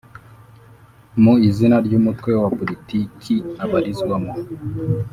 mu izina ry umutwe wa politiki abarizwamo